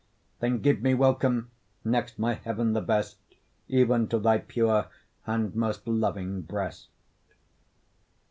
Then give me welcome, next my heaven the best, Even to thy pure and most most loving breast.